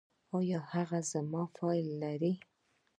ایا هغه زما فایل لري؟